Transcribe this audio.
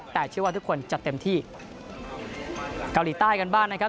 แต่เชื่อว่าทุกคนจะเต็มที่เกาหลีใต้กันบ้างนะครับ